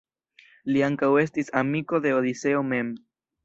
Li ankaŭ estis amiko de Odiseo mem.